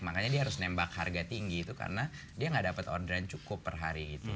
makanya dia harus nembak harga tinggi itu karena dia nggak dapat orderan cukup per hari itu